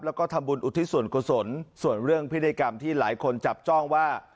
แล้วก็ทำบุญอุทิศส่วนกุศลส่วนเรื่องพิธีกรรมที่หลายคนจับจ้องว่า